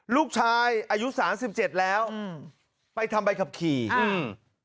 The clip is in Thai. ลูกชายอายุสามสิบเจ็ดแล้วอืมไปทำใบขับขี่อืม